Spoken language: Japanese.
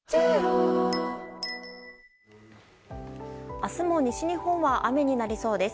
明日も西日本は雨になりそうです。